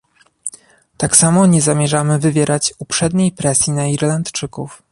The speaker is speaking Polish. Tak samo nie zamierzamy wywierać uprzedniej presji na Irlandczyków